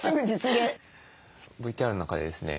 ＶＴＲの中でですね